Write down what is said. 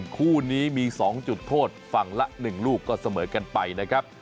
คู่นี้มี๒จุดโทษฝั่งละ๑ลูกก็เสมอกันไปนะครับ